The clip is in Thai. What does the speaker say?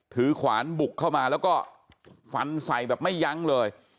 ขวานบุกเข้ามาแล้วก็ฟันใส่แบบไม่ยั้งเลย